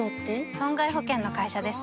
損害保険の会社です